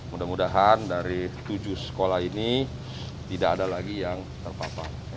mudah mudahan dari tujuh sekolah ini tidak ada lagi yang terpapar